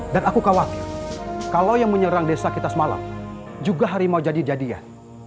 dan aku khawatir kalau yang menyerang desa kita semalam juga hari mau jadi jadian